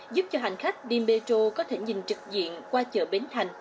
giúp cho hành khách đi metro có thể nhìn trực diện qua chợ bến thành